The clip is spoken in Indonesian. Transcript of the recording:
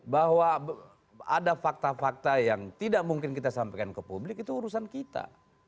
bahwa ada fakta fakta yang tidak mungkin kita sampaikan ke publik itu urusan kita